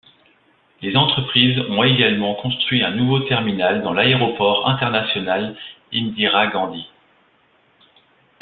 Les entreprises ont également construit un nouveau terminal dans l'aéroport international Indira Gandhi.